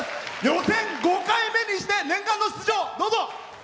予選４回目にして念願の出場。